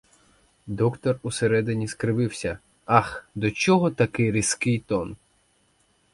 Доктор усередині скривився: ах, для чого такий різкий тон?